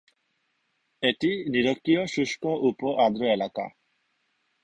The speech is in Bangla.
এটি নিরক্ষীয় শুষ্ক উপ-আর্দ্র এলাকা।